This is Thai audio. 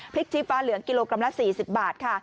พริกทีฟ้าเหลืองกิโลกรัมละ๔๐บาท